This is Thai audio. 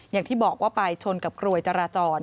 อย่างที่บอกว่าไปชนกับกรวยจราจร